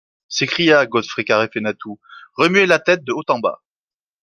s’écria Godfrey Carèfinotu remuait la tête de haut en bas.